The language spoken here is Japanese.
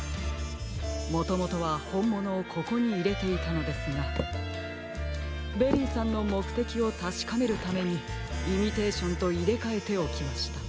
もともとはほんものをここにいれていたのですがベリーさんのもくてきをたしかめるためにイミテーションといれかえておきました。